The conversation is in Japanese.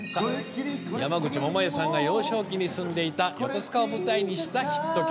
山口百恵さんが幼少期に住んでいた横須賀を舞台にしたヒット曲。